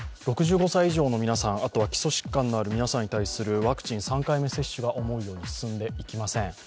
６５歳以上の皆さん、基礎疾患のある皆さんに対するワクチン３回目接種が思うように進んでいきません。